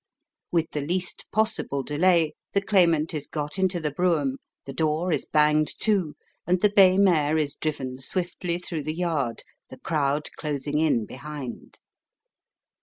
With the least possible delay, the Claimant is got into the brougham, the door is banged to, and the bay mare is driven swiftly through the Yard, the crowd closing in behind.